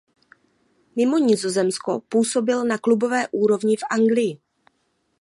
Mimo Nizozemsko působil na klubové úrovni v Anglii.